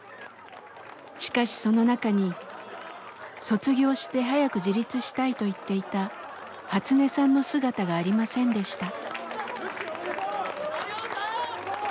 しかしその中に卒業して早く自立したいと言っていたハツネさんの姿がありませんでした。